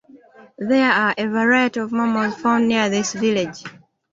There are a variety of mammals found near this village.